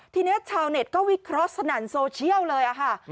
ทีนี้ชาวเน็ตก็วิเคราะห์สนั่นโซเชียลเลยค่ะ